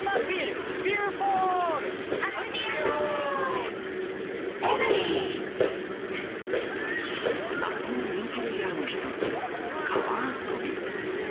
初「ビアボール」！夏の人気レジャーの一つ、川遊び。